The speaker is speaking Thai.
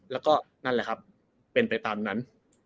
แล้วก็นั่นแหละครับเป็นไปตามนั้น